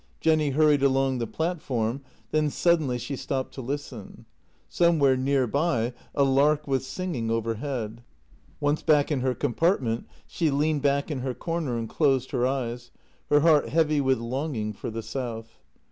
Jenny hurried along the platform; then suddenly she stopped to listen. Somewhere, near by, a lark was singing overhead. Once back in her compartment she leaned back in her corner and closed her eyes, her heart heavy with longing for the south.